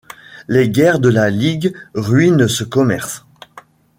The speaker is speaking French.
Les guerres de la Ligue ruinent ce commerce.